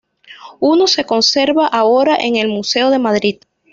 Uno se conserva ahora en el museo de Madrid.